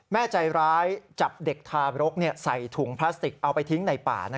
แม่ใจร้ายจับเด็กทารกใส่ถุงพลาสติกเอาไปทิ้งในป่า